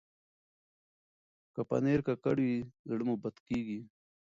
که پنېر ککړ وي، زړه مو بد کېږي.